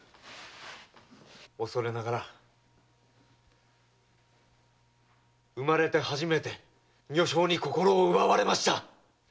おそれながら生まれて初めて女性に心を奪われました！